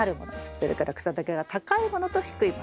それから草丈が高いものと低いもの